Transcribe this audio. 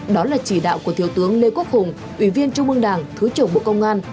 đó là chỉ đạo của thiếu tướng lê quốc hùng ủy viên trung mương đảng thứ trưởng bộ công an